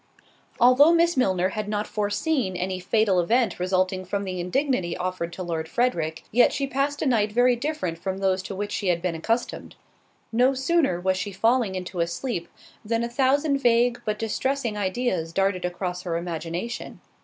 Although Miss Milner had not foreseen any fatal event resulting from the indignity offered to Lord Frederick, yet she passed a night very different from those to which she had been accustomed. No sooner was she falling into a sleep, than a thousand vague, but distressing, ideas darted across her imagination.